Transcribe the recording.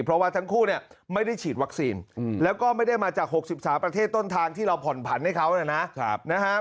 เพราะว่าทั้งคู่เนี่ยไม่ได้ฉีดวัคซีนแล้วก็ไม่ได้มาจาก๖๓ประเทศต้นทางที่เราผ่อนผันให้เขานะครับ